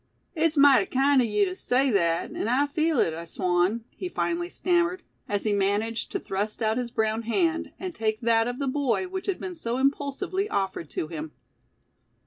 "It's mighty kind o' yeou tew say thet, an' I feel it, I swan," he finally stammered, as he managed to thrust out his brown hand, and take that of the boy which had been so impulsively offered to him.